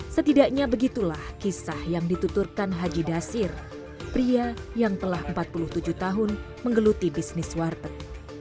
setidaknya begitulah kisah yang dituturkan haji dasir pria yang telah empat puluh tujuh tahun menggeluti bisnis warteg